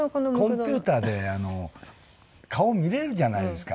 今コンピューターで顔見れるじゃないですか。